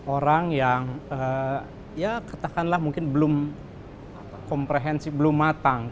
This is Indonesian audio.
orang yang ya katakanlah mungkin belum komprehensif belum matang